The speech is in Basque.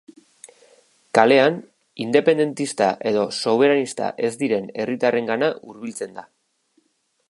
Kalean independentista edo soberanista ez diren herritarrengana hurbiltzen da.